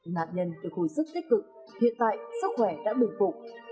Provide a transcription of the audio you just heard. nạn nhân được hồi sức tích cực hiện tại sức khỏe đã bình phục